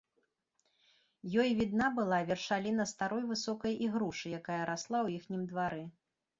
Ёй відна была вяршаліна старой высокай ігрушы, якая расла ў іхнім двары.